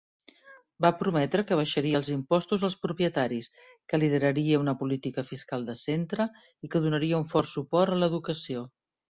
Va prometre que abaixaria els impostos als propietaris, que lideraria una política fiscal de centre i que donaria un fort suport a l'educació.